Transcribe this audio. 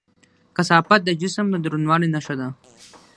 کثافت د جسم د دروندوالي نښه ده.